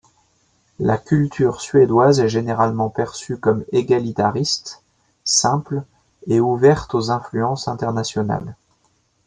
La culture suédoise est généralement perçue comme égalitariste, simple, et ouverte aux influences internationales.